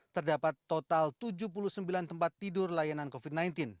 terdapat total tujuh puluh sembilan tempat tidur layanan covid sembilan belas